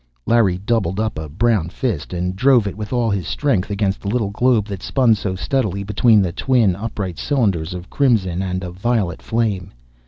Larry doubled up a brown fist and drove it with all his strength against the little globe that spun so steadily between the twin, upright cylinders of crimson and of violet flame.